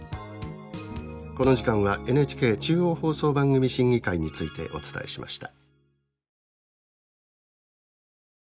この時間はＮＨＫ中央放送番組審議会についてお伝えしました。